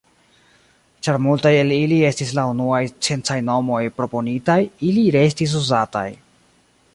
Ĉar multaj el ili estis la unuaj sciencaj nomoj proponitaj ili restis uzataj.